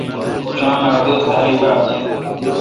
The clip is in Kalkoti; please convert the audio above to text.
اوں درام اے° اڑوت خلق باڑ۔۔